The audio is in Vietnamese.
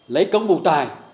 lấy công bụng tài